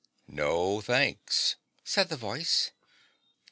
' No, thanks,' said the voice.